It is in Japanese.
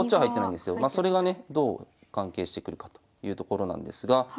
それがねどう関係してくるかというところなんですが。